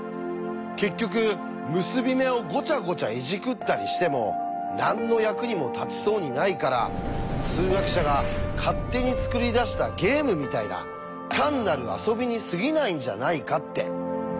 結局結び目をごちゃごちゃいじくったりしても何の役にも立ちそうにないから数学者が勝手に作り出したゲームみたいな単なる遊びにすぎないんじゃないかって。